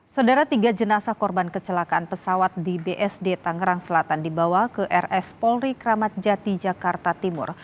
saudara tiga jenazah korban kecelakaan pesawat di bsd tangerang selatan dibawa ke rs polri kramat jati jakarta timur